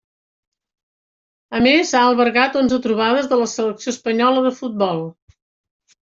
A més, ha albergat onze trobades de la Selecció Espanyola de futbol.